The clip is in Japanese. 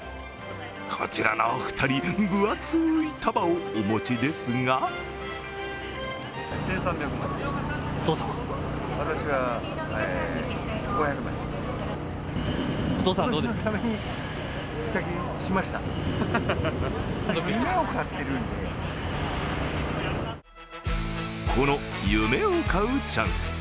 こちらのお二人、分厚い束をお持ちですがこの夢を買うチャンス。